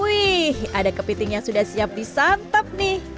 wih ada kepiting yang sudah siap disantap nih